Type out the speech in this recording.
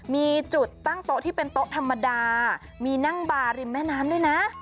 มีจุดตั้งโต๊ะที่เป็นโต๊ะธรรมดามีนั่งบาร์ริมแม่น้ำด้วยนะ